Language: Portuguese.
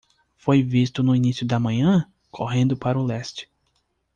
Foi visto no início da manhã? correndo para o leste.